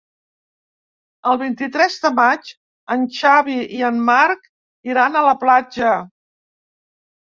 El vint-i-tres de maig en Xavi i en Marc iran a la platja.